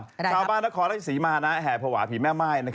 ชาวบ้านนครราชศรีมาแห่ภาวะผีแม่ม่าย